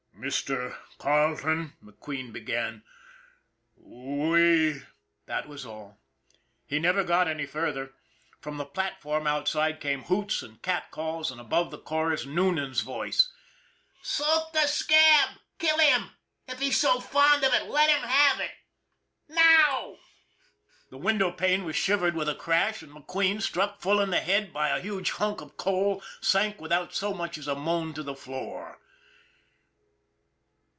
" Mr. Carleton/' McQueen began, " we " That was all. He never got any further. From the platform outside came hoots and cat calls, and above the chorus Noonan's voice: " Soak the scab! Kill him! If he's so fond of it, let him have it ! Now! " The window pane was shivered with a crash, and McQueen, struck full in the head by a huge hunk of coal, sank without so much as a moan to the floor.